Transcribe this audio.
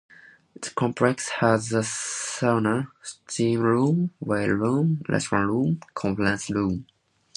The complex has a sauna, steam room, weight room, restaurant and conference room.